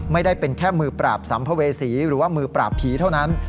ไม่ได้เป็นแค่มือปราบสัมภเวษีหรือว่ามือปราบผีเท่านั้น